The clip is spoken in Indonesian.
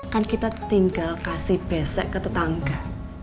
kan kita tinggal kasih besek ke tetangga